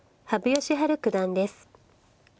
羽生善治九段です。